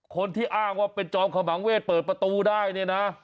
คนที่อ้างว่าเป็นจอมขมังเวศเปิดประตูได้เนี่ยนะ